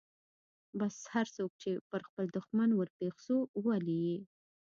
بس هرڅوک چې پر خپل دښمن ورپېښ سو ولي يې.